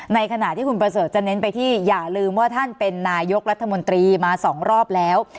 ในขณะที่คุณประเสริฐจะเน้นไปที่อย่าลืมว่าท่านเป็นนายกรัฐมนตรีมา๒รอบแล้ว